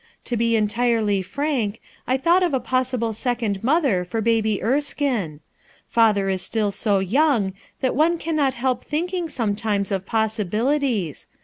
To be entirely frank, I thought of a n si Wo second mother for Baby Erskinc. Fall is still so young (hat one cannot help tliinkin t sometimes of possibilities.